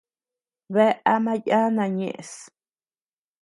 Bea ama yana ñeʼes.